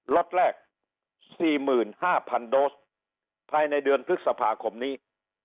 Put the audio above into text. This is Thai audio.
ลดแรกสี่หมื่นห้าพันโดสภายในเดือนพฤษภาคมนี้